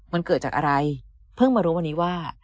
มันเกิดจากอะไรเพิ่งมารู้วันนี้ว่า